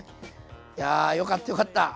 いやよかったよかった。